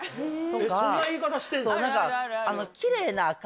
そんな言い方してんの？